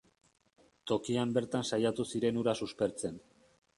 Tokian bertan saiatu ziren hura suspertzen.